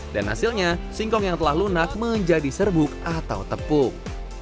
dan hasilnya singkong yang telah lunak menjadi serbuk atau tepung